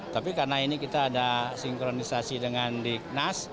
tapi karena ini kita ada sinkronisasi dengan dignas